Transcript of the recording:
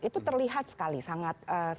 itu terlihat sekali sangat